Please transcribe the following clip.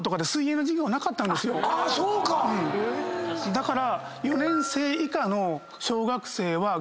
だから。